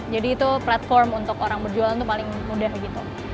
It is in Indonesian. jadi itu platform untuk orang berjualan itu paling mudah gitu